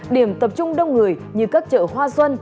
điểm tập trung đông người như các chợ hoa xuân